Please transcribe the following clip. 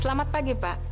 selamat pagi pak